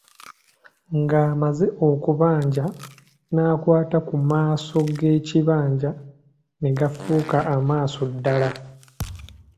Ng'amaze okubajja, n'akwata ku maaso g'ekibajje ne gafuuka amaaso ddala.